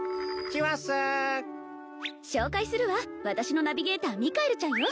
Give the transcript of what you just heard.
ちわっす紹介するわ私のナビゲーターミカエルちゃんよ